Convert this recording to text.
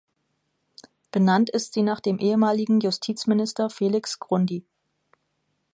Benannt ist sie nach dem ehemaligen Justizminister Felix Grundy.